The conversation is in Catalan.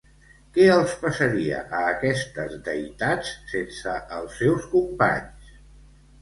Què els passaria a aquestes deïtats sense els seus companys?